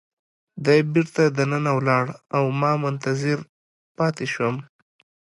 دی بیرته دننه ولاړ او ما منتظر پاتې شوم.